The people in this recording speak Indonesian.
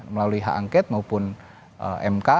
melalui hak angket maupun mk